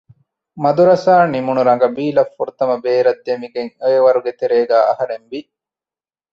މަދުރަސާ ނިމުނު ރަނގަބީލަށް ފުރަތަމަ ބޭރަށް ދެމިގަތް އޮއިވަރުގެ ތެރޭގައި އަހަރެން ވި